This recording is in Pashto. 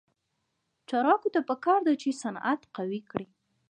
چارواکو ته پکار ده چې، صنعت قوي کړي.